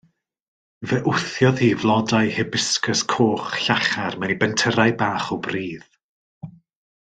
Fe wthiodd hi flodau hibiscus coch llachar mewn i bentyrrau bach o bridd.